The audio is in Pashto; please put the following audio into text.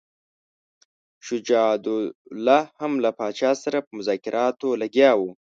شجاع الدوله هم له پاچا سره په مذاکراتو لګیا وو.